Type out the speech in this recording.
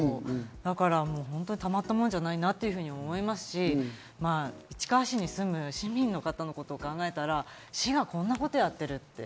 だから本当にたまったもんじゃないなと思いますし、市川市に住む市民の方のことを考えたら、市がこんなことやってるって。